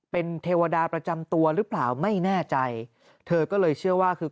เป็นเทวดาประจำตัวหรือเปล่าไม่แน่ใจเธอก็เลยเชื่อว่าคือ